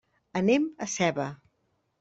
Anem a Seva.